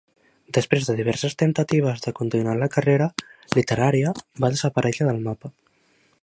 Després de diverses temptatives de continuar la carrera literària va desaparèixer del mapa.